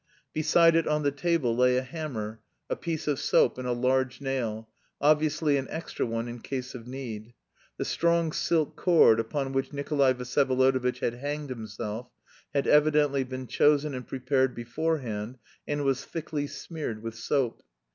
Beside it on the table lay a hammer, a piece of soap, and a large nail obviously an extra one in case of need. The strong silk cord upon which Nikolay Vsyevolodovitch had hanged himself had evidently been chosen and prepared beforehand and was thickly smeared with soap.